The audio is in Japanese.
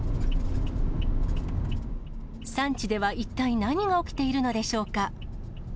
産地では一体、何が起きているのでしょうか。